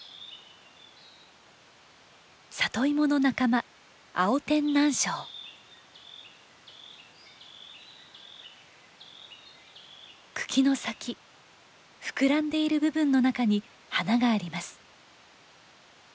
サトイモの仲間茎の先膨らんでいる部分の中に花があります。